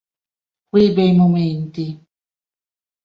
Quei bei momenti...